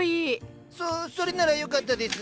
そそれならよかったです。